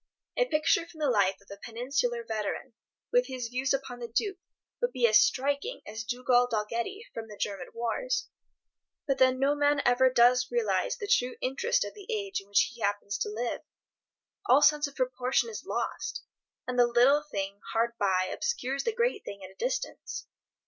A picture from the life of a Peninsular veteran, with his views upon the Duke, would be as striking as Dugald Dalgetty from the German wars. But then no man ever does realize the true interest of the age in which he happens to live. All sense of proportion is lost, and the little thing hard by obscures the great thing at a distance.